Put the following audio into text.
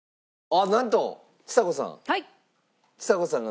ああなんとちさ子さん。